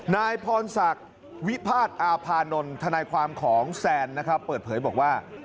นายพรศักดิ์วิพาทอาพานนท์ทนายความของแซนนะครับเปิดเผยบอกว่า